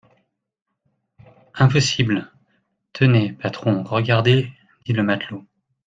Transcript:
Impossible ! Tenez, patron, regardez, dit le matelot.